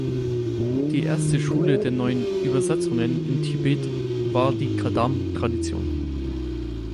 Die erste "Schule der Neuen Übersetzungen" in Tibet war die Kadam-Tradition.